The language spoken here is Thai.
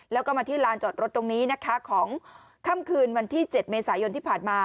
แล้วก็มาที่ลานจอดรถตรงนี้นะคะของค่ำคืนวันที่๗เมษายนที่ผ่านมา